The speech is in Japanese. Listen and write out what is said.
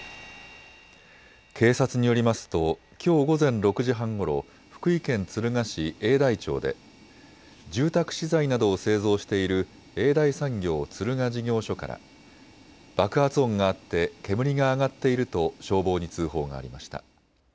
警察によりますときょう午前６時半ごろ福井県敦賀市永大町で住宅資材などを製造している永大産業敦賀事業所から爆発音があって煙が上がっていると消防に通報がありました。